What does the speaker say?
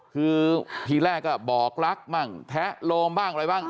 คือทีแรกก็บอกรักบ้างแทะโลมบ้างอะไรบ้าง